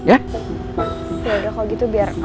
aku mau pergi ke rumah